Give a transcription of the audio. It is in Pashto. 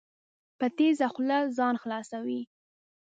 په تېزه خوله ځان خلاصوي.